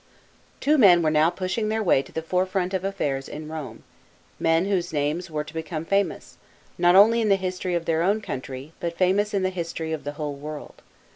Two men were now pushing their way to the forefront of affairs in Home men whose names were to become famous, not only in the history of their own country, but famous in the history of tlie whole world.